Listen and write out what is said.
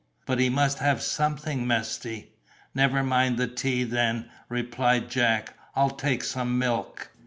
"But he must have something, Mesty." "Never mind the tea, then," replied Jack, "I'll take some milk."